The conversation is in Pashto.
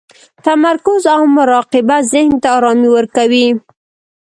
تمرکز او مراقبه ذهن ته ارامي ورکوي.